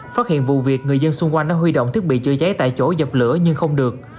phát hiện vụ việc người dân xung quanh đã huy động thiết bị chữa cháy tại chỗ dập lửa nhưng không được